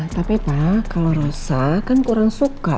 tapi pak kalau rosa kan kurang suka rasa coklat